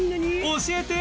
教えて！